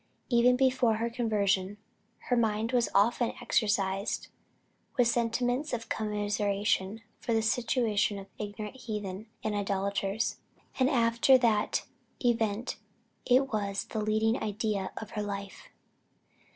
Even before her conversion, her mind was often exercised with sentiments of commiseration for the situation of ignorant heathen and idolaters; and after that event it was the leading idea of her life.